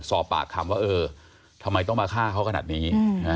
สอบปากคำว่าเออทำไมต้องมาฆ่าเขาขนาดนี้